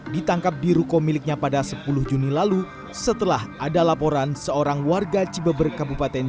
ditangkap di ruko miliknya pada sepuluh juni lalu setelah ada laporan seorang warga cibeber kabupaten